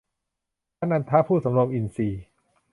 พระนันทะ ผู้สำรวมอินทรีย์